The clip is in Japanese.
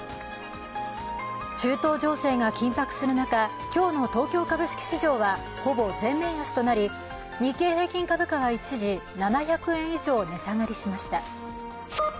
中東情勢が緊迫する中、今日の東京株式市場はほぼ全面安となり日経平均株価は一時７００円以上値下がりしました。